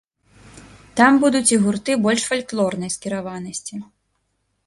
Там будуць і гурты больш фальклорнай скіраванасці.